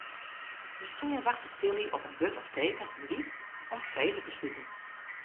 Miskien wachtet Tilly op in wurd of teken fan dy om frede te sluten.